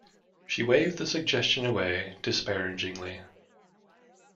She waved the suggestion away disparagingly.